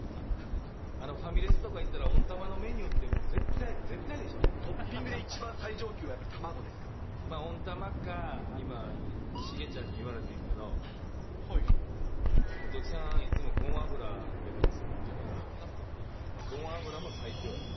あのファミレスとか行ったら、温玉のメニューって絶対、絶対でトッピングで一番最上級は卵温玉か、今、重ちゃんに言われてんけど、元木さん、いつもごま油かけてますって言うから、ごま油も最強やね。